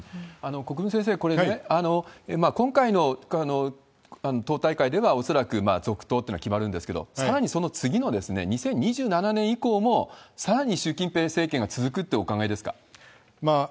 国分先生、これね、今回の党大会では恐らく続投というのは決まるんですけど、さらにその次の２０２７年以降もさらに習近平政権が続くってお考えですか？